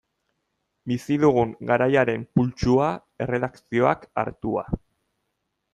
Bizi dugun garaiaren pultsua, erredakzioak hartua.